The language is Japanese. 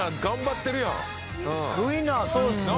ウインナーそうですね。